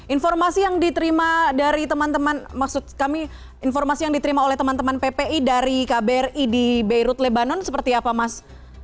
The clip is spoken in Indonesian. informasi yang diterima dari teman teman maksud kami informasi yang diterima oleh teman teman ppi dari kbri di beirut lebanon seperti apa mas